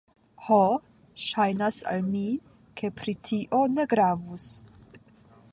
Ho, ŝajnas al mi, ke pri tio ne gravus.